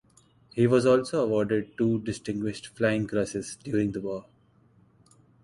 He was also awarded two Distinguished Flying Crosses during the war.